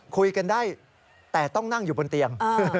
คุยกันได้แต่ต้องนั่งอยู่บนเตียง